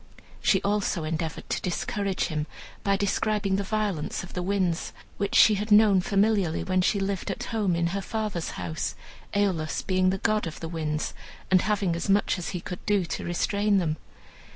She also endeavored to discourage him, by describing the violence of the winds, which she had known familiarly when she lived at home in her father's house, Aeolus being the god of the winds, and having as much as he could do to restrain them.